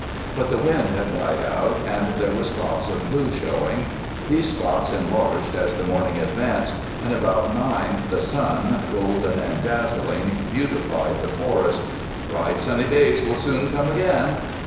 But the wind had died out, and there were spots of blue showing. These spots enlarged as the morning advanced, and about nine the sun, golden and dazzling, beautified the forest. "Bright sunny days will soon come again!"